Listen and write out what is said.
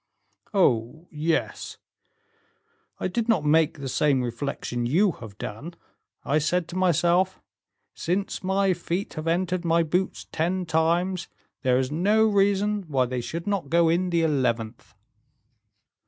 "Oh, yes; I did not make the same reflection you have done. I said to myself: 'Since my feet have entered my boots ten times, there is no reason why they should not go in the eleventh.